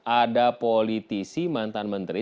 ada politisi mantan menteri